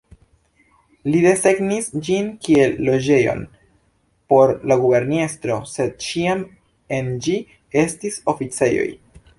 Li desegnis ĝin kiel loĝejon por la guberniestro, sed ĉiam en ĝi estis oficejoj.